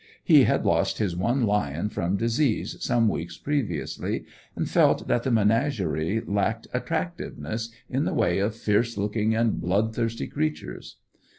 He had lost his one lion from disease some weeks previously, and felt that the menagerie lacked attractiveness in the way of fierce looking and bloodthirsty creatures.